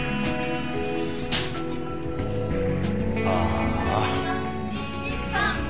ああ。